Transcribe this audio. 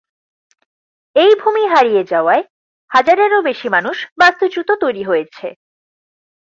এই ভূমি হারিয়ে যাওয়ায় হাজারেরও বেশি মানুষ বাস্তুচ্যুত তৈরি হয়েছে।